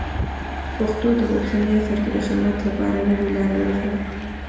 پښتو ته په اوسني عصر کې د خدمت لپاره نوې لارې ولټوئ.